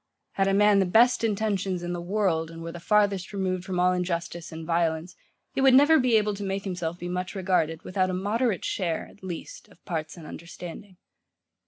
Had a man the best intentions in the world, and were the farthest removed from all injustice and violence, he would never be able to make himself be much regarded, without a moderate share, at least, of parts and understanding.